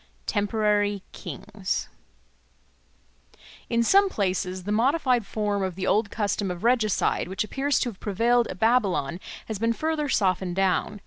Temporary Kings IN SOME places the modified form of the old custom of regicide which appears to have prevailed at Babylon has been further softened down.